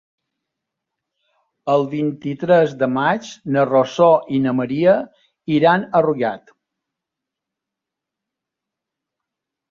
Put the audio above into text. El vint-i-tres de maig na Rosó i na Maria iran a Rugat.